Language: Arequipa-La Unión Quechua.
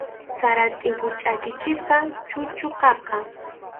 Sara tʼimpu chʼakichisqam chuchuqaqa.